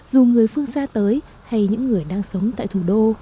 dù người phương xa tới hay những người đang sống tại thủ đô